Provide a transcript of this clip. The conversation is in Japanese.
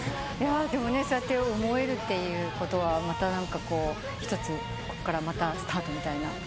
でもそうやって思えるっていうことはまた何か一つこっからスタートみたいな。